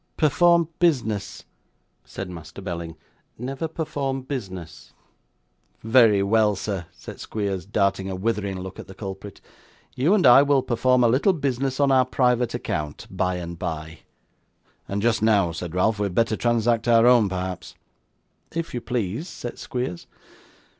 'Perform business!' said Master Belling. 'Never perform business!' 'Very well, sir,' said Squeers, darting a withering look at the culprit. 'You and I will perform a little business on our private account by and by.' 'And just now,' said Ralph, 'we had better transact our own, perhaps.' 'If you please,' said Squeers.